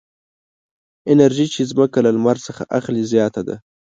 انرژي چې ځمکه له لمر څخه اخلي زیاته ده.